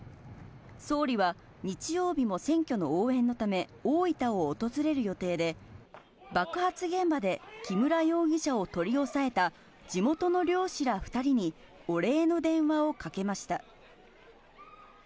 総理は日曜日も選挙の応援のため、大分を訪れる予定で、爆発現場で木村容疑者を取り押さえた地元の漁師ら２人にお礼の電話をかけました。